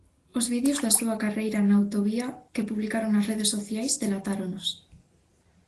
Os vídeos da súa carreira na autovía que publicaron nas redes sociais delatáronos.